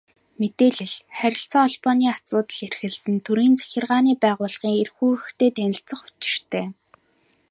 Мэдээлэл, харилцаа холбооны асуудал эрхэлсэн төрийн захиргааны байгууллагын эрх үүрэгтэй танилцах учиртай.